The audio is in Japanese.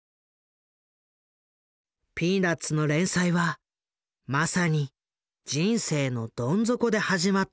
「ピーナッツ」の連載はまさに人生のどん底で始まったのだ。